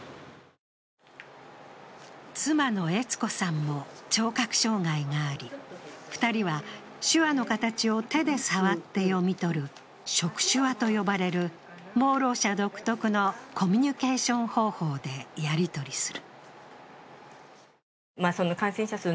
妻の悦子さんも聴覚障害があり、２人は手話の形を手で触って読み取る触手話と呼ばれる盲ろう者独特のコミュニケーション方法でやり取りする。